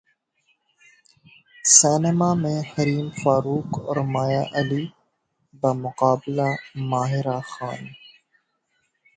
سینماں میں حریم فاروق اور مایا علی بمقابلہ ماہرہ خان